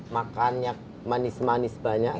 makan yang manis manis banyak